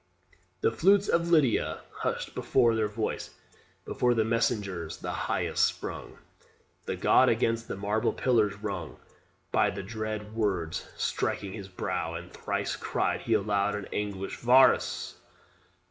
The flutes of Lydia hushed before their voice, Before the messengers the "Highest" sprung The god against the marble pillars, wrung By the dred words, striking his brow, and thrice Cried he aloud in anguish "Varus!